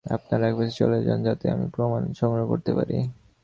আপনারা একপাশে চলে যান যাতে আমি প্রমাণ সংগ্রহ করতে পারি?